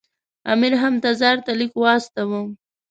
امیر هم تزار ته لیک واستاوه.